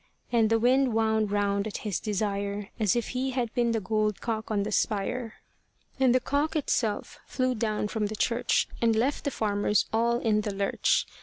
And the wind wound round at his desire, As if he had been the gold cock on the spire. And the cock itself flew down from the church, And left the farmers all in the lurch.